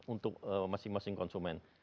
untuk masing masing konsumen